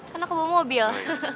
karena aku mau mobil